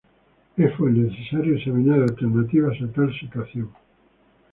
Es pues necesario examinar alternativas a tal situación.